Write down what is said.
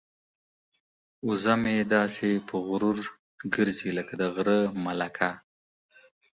وزه مې داسې په غرور ګرځي لکه د غره ملکه.